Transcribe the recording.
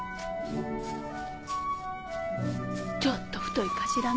ちょっと太いかしらね。